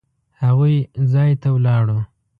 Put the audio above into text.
هغوی ځای ته ولاړو.